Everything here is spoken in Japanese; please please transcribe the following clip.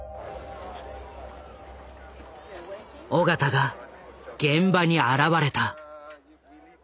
緒方が現場に現れた。